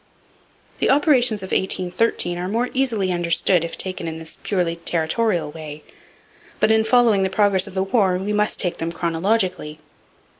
The operations of 1813 are more easily understood if taken in this purely territorial way. But in following the progress of the war we must take them chronologically.